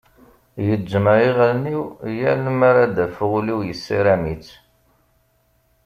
Gezzmeɣ iɣallen-iw yal mi ara d-afeɣ ul-iw yessaram-itt.